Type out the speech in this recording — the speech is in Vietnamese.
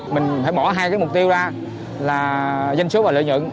mình phải bỏ hai cái mục tiêu ra là danh số và lựa nhuận